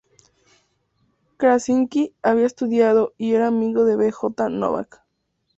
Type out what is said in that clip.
Krasinski había estudiado y era amigo de B. J. Novak.